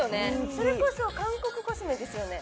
それこそ韓国コスメですよね